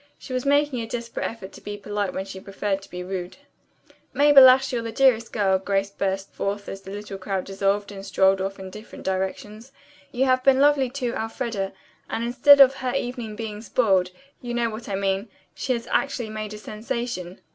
She was making a desperate effort to be polite when she preferred to be rude. "Mabel Ashe, you're the dearest girl," Grace burst forth as the little crowd dissolved and strolled off in different directions. "You have been lovely to Elfreda, and instead of her evening being spoiled, you know what I mean, she has actually made a sensation."